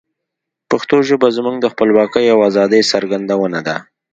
پښتو ژبه زموږ د خپلواکۍ او آزادی څرګندونه ده.